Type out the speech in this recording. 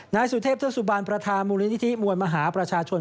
นายสุเทพเทือกสุบันประธานมูลนิธิมวลมหาประชาชน